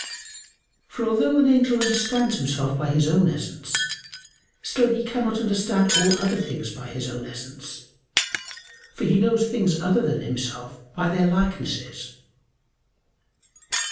For although an angel understands himself by his own essence, still he cannot understand all other things by his own essence; for he knows things other than himself by their likenesses.